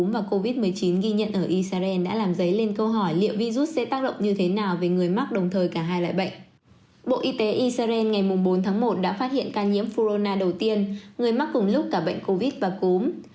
bộ y tế israel ngày bốn tháng một đã phát hiện ca nhiễm flona đầu tiên người mắc cùng lúc cả bệnh covid và cúm